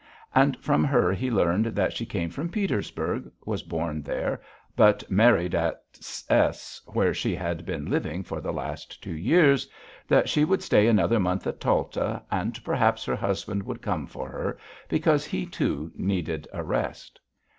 And from her he learned that she came from Petersburg, was born there, but married at S. where she had been living for the last two years; that she would stay another month at Talta, and perhaps her husband would come for her, because, he too, needed a rest.